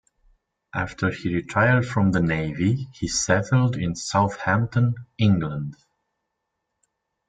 After he retired from the Navy, he settled in Southampton, England.